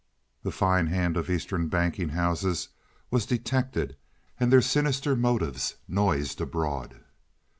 The fine hand of Eastern banking houses was detected and their sinister motives noised abroad.